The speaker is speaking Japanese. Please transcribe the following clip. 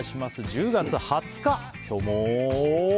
１０月２０日、今日も。